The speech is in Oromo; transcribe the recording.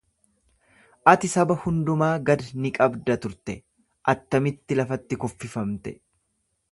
Ati saba hundumaa gad ni qabda turte, attamitti lafatti kuffifamte?